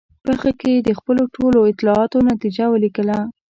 په هغه کې یې د خپلو ټولو اطلاعاتو نتیجه ولیکله.